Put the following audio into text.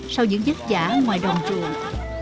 sau những giấc giả ngoài đồng trường